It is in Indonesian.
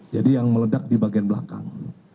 jadi yang meledak di bagian belakang